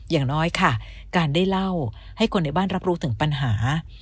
อย่างน้อยค่ะการได้เล่าให้คนในบ้านรับรู้ถึงปัญหา